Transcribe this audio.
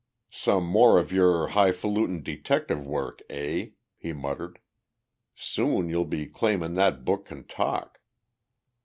"Some more of your highfalutin' detective work, eh?" he muttered. "Soon you'll be claimin' that books can talk."